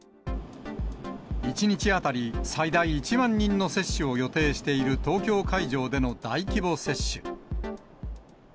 １日当たり最大１万人の接種を予定している、東京会場での大規模接種。